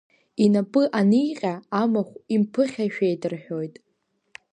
Инапы аниҟьа, амахә имԥыхьашәеит рҳәоит.